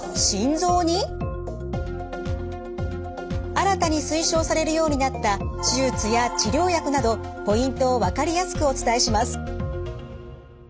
新たに推奨されるようになった手術や治療薬などポイントを分かりやすくお伝えします。